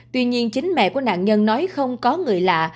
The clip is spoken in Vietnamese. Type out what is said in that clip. tuy nhiên chính mẹ của nạn nhân nói không có người lạ